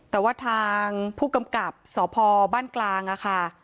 แต่ว่าทางผู้กำกับสพบ้านกลางค่ะ